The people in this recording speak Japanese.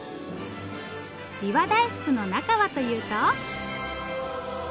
びわ大福の中はというと。